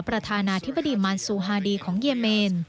ประธานาธิบดีมานซูฮาดีของเยเมน